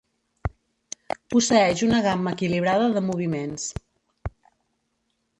Posseeix una gamma equilibrada de moviments.